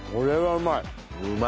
うまい。